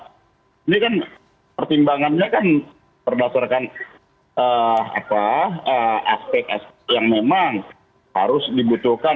ini kan pertimbangannya kan berdasarkan aspek aspek yang memang harus dibutuhkan